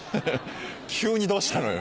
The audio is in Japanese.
急にどうしたのよ？